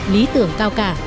lý tưởng cao cả